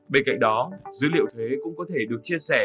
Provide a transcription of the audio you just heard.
bên cạnh đó dữ liệu thuế cũng có thể được chia sẻ